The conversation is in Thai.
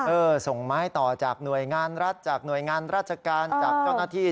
ส่งไม้ต่อจากหน่วยงานรัฐจากหน่วยงานราชการจากเจ้าหน้าที่